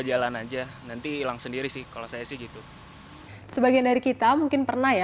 jalan aja nanti hilang sendiri sih kalau saya sih gitu sebagian dari kita mungkin pernah ya